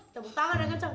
tepuk tangan ya kenceng